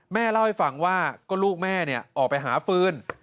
แม่เล่าให้ฟังว่าก็ลูกแม่ออกไปหาฟืน